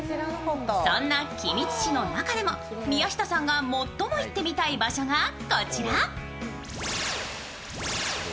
そんな君津市の中でも宮下さんが最も行ってみたい場所がこちら。